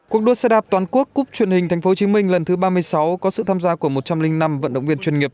cuộc đua xe đạp toàn quốc cúp truyền hình thành phố hồ chí minh lần thứ ba mươi sáu có sự tham gia của một trăm linh năm vận động viên chuyên nghiệp